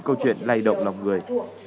câu chuyện lây động lòng người